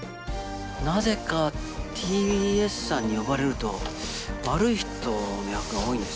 なぜかＴＢＳさんに呼ばれると悪い人の役が多いんです